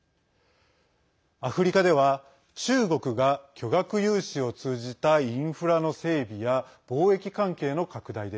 アフリカでは中国が巨額融資を通じたインフラの整備や貿易関係の拡大で。